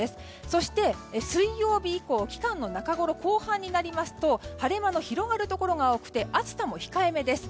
そして、水曜日以降期間の中ごろ後半になりますと晴れ間の広がるところが多くて暑さも控えめです。